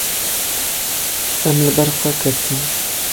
Em li ber xwe ketin.